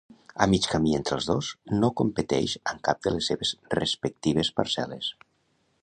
A mig camí entre els dos, no competeix amb cap de les seves respectives parcel·les.